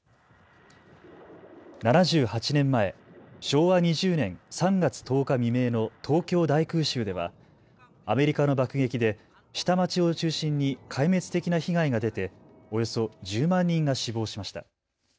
７８年前、昭和２０年３月１０日未明の東京大空襲ではアメリカの爆撃で下町を中心に壊滅的な被害が出ておよそ１０万人が死亡しました。